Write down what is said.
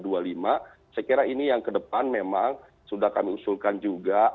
saya kira ini yang kedepan memang sudah kami usulkan juga